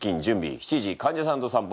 ７時患者さんと散歩。